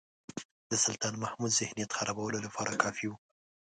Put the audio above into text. د سلطان محمود ذهنیت خرابولو لپاره کافي وو.